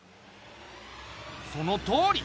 そのとおり！